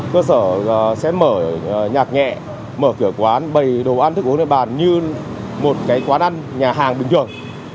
cơ sở sẽ mở nhạc nhẹ mở cửa quán bày đồ ăn thức uống như một quán ăn nhà hàng bình thường